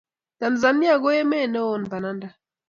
Tanzania ko emet ne won bananda